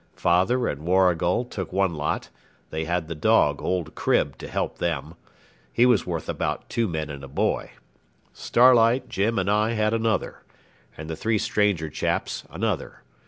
Father and Warrigal took one lot; they had the dog, old Crib, to help them. He was worth about two men and a boy. Starlight, Jim, and I had another; and the three stranger chaps another.